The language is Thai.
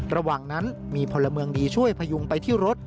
ระหว่างนั้นมีพลเมืองดีช่วยพยุงไปที่รถ